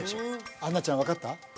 杏奈ちゃん分かった？